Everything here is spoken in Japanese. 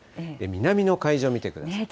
南の海上見てください。